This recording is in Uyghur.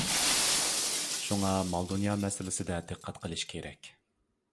شۇڭا، مال-دۇنيا مەسىلىسىدە دىققەت قىلىش كېرەك.